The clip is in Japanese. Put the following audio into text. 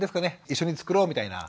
一緒に作ろうみたいな。